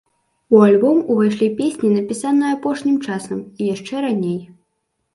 У альбом увайшлі песні, напісаныя апошнім часам і яшчэ раней.